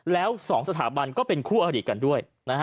แล้ว๒สถาบันก็เป็นคู่อดีตกันด้วย